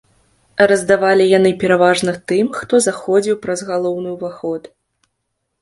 Раздавалі яны пераважна тым, хто заходзіў праз галоўны ўваход.